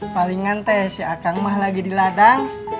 palingan teh si akang mah lagi di ladang